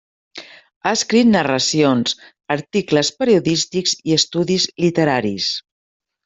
Ha escrit narracions, articles periodístics i estudis literaris.